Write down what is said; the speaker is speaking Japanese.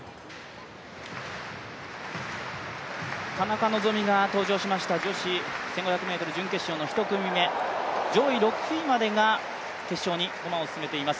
田中希実た登場しました女子１５００ｍ準決勝の１組目、上位６位までが決勝に駒を進めています。